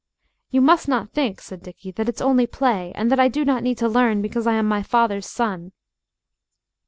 "You must not think," said Dickie, "that it's only play, and that I do not need to learn because I am my father's son."